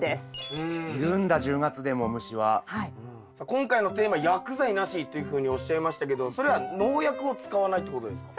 今回のテーマ「薬剤なし」っていうふうにおっしゃいましたけどそれは農薬を使わないってことですか？